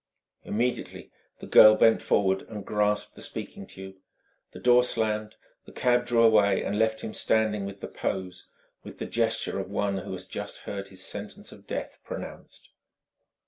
Immediately the girl bent forward and grasped the speaking tube; the door slammed; the cab drew away and left him standing with the pose, with the gesture of one who has just heard his sentence of death pronounced.